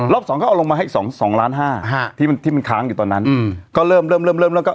รอบ๒ก็เอาลงมาให้๒ล้าน๕ที่มันค้างอยู่ตอนนั้นก็เริ่มเริ่มเริ่ม